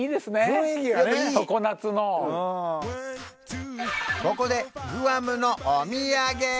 常夏のここでグアムのお土産！